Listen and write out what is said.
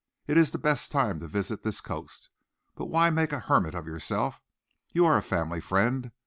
It is the best time to visit this coast. But why make a hermit of yourself? You are a family friend.